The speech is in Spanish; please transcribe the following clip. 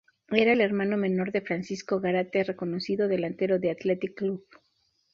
Era el hermano menor de Francisco Gárate, reconocido delantero del Athletic Club.